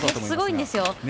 すごいんですよ。